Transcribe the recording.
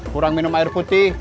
kurang minum air putih